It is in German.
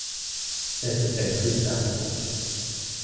Es ist ein trister Anblick.